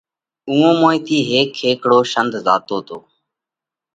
اُوئون موئين ٿِي هيڪ کيکڙو شينڌ زاتو تو۔